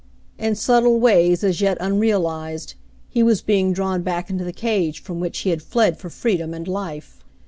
In subtile ways as yet unrealized, he was being drawn back into the cage from which he had fled for freedom and life.